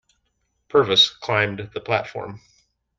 Purvis climbed the platform.